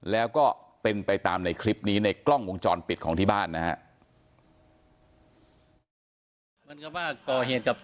แล้วก็เป็นไปตามในคลิปนี้ในกล้องวงจรปิดของที่บ้านนะครับ